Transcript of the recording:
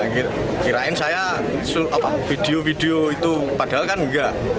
kirain saya video video itu padahal kan enggak